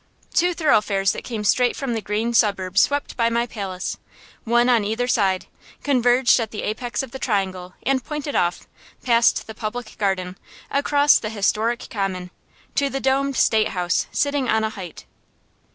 Two thoroughfares that came straight from the green suburbs swept by my palace, one on either side, converged at the apex of the triangle, and pointed off, past the Public Garden, across the historic Common, to the domed State House sitting on a height.